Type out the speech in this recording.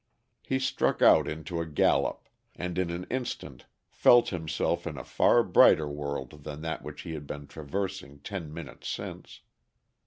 He struck out into a gallop, and in an instant felt himself in a far brighter world than that which he had been traversing ten minutes since.